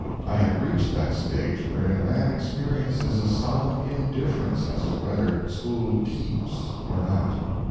I had reached that stage wherein a man experiences a solemn indifference as to whether school keeps or not.